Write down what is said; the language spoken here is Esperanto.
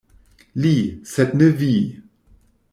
Li, sed ne vi!